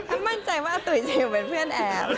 มั่นใจว่าอาตุ๋ยจะอยู่เป็นเพื่อนแอบ